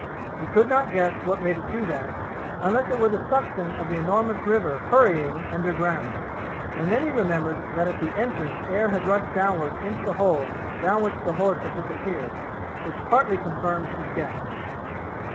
He could not guess what made it do that, unless it were the suction of the enormous river hurrying underground; and then he remembered that at the entrance air had rushed downward into the hole down which the horse had disappeared, which partly confirmed his guess.